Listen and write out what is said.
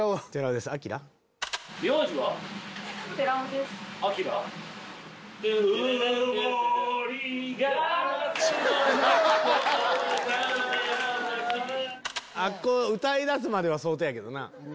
あそこ歌いだすまでは相当やけどな。